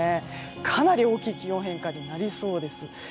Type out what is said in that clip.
かなり大きい気温変化になりそうです。